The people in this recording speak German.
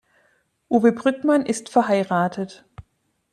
Uwe Brückmann ist verheiratet.